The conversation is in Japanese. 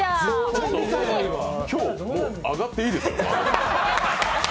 今日、もう上がっていいですよ。